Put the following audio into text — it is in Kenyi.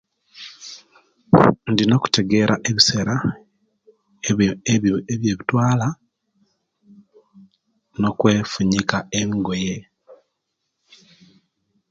Indiana okutegera ebisera ebi ebi ebiyebitwala nokwefunyika engoye